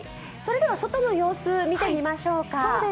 それでは外の様子を見てみましょうか。